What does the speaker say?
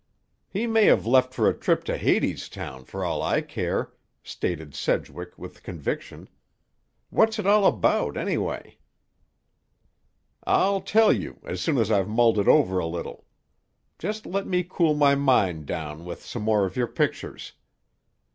"He may have left for a trip to Hadestown for all I care," stated Sedgwick with conviction. "What's it all about, anyway?" "I'll tell you, as soon as I've mulled it over a little. Just let me cool my mind down with some more of your pictures."